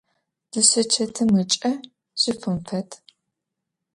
Дышъэчэтым ыкӏэ жьыфым фэд.